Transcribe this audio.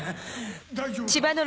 大丈夫か？